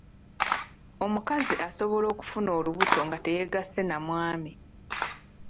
Omukazi asobola okufuna olubuto nga teyegasse na mwami.